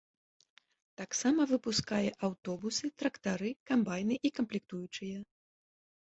Таксама выпускае аўтобусы, трактары, камбайны і камплектуючыя.